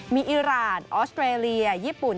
มีอิราณออสเตรเลียญี่ปุ่น